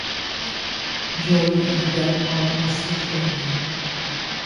Joy jde ale na slyšení.